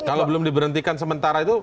kalau belum diberhentikan sementara itu